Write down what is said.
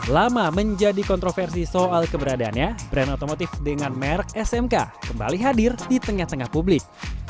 lama menjadi kontroversi soal keberadaannya brand otomotif dengan merek smk kembali hadir di tengah tengah publik